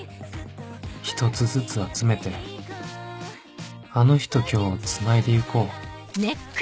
１つずつ集めてあの日と今日をつないでいこう